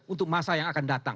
untuk masa yang akan datang